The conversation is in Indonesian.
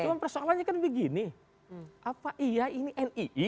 cuma persoalannya kan begini apa iya ini nii